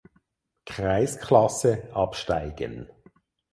Kreisklasse absteigen.